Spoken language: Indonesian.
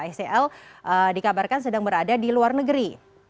icl dikabarkan sedang berada di luar negeri